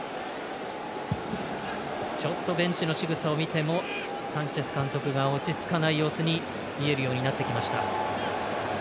ちょっとベンチのしぐさを見てもサンチェス監督が落ち着かない様子に見えるようになってきました。